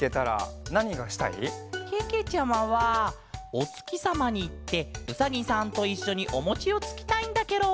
けけちゃまはおつきさまにいってうさぎさんといっしょにおもちをつきたいんだケロ！